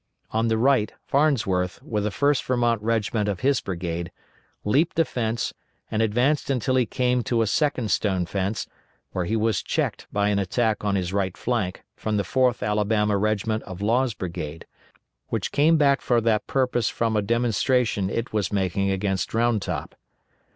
On the right Farnsworth, with the 1st Vermont regiment of his brigade, leaped a fence, and advanced until he came to a second stone fence, where he was checked by an attack on his right flank from the 4th Alabama regiment of Law's brigade, which came back for that purpose from a demonstration it was making against Round Top.